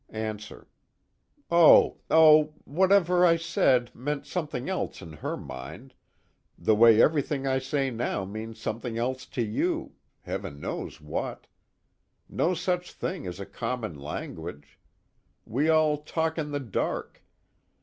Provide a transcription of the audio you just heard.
ANSWER: Oh oh whatever I said meant something else in her mind, the way everything I say now means something else to you, heaven knows what. No such thing as a common language. We all talk in the dark.